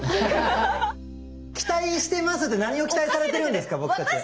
期待してますって何を期待されてるんですか僕たちは。